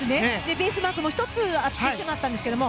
ベースマークも１つあってしまったんですけど。